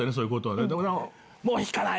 「もう弾かない！」